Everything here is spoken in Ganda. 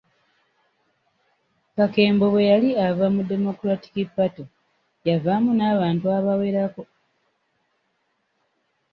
Kakembo bwe yali ava mu Democratic Party yavaamu n'abantu abawerako.